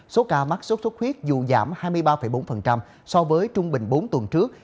số ca mắc sốt xuất huyết dù giảm hai mươi ba bốn so với trung bình bốn tuần trước